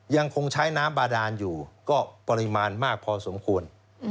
ยังคงใช้น้ำบาดานอยู่ก็ปริมาณมากพอสมควร